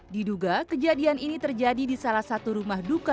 diduga kejadian ini terjadi di salah satu rumah duka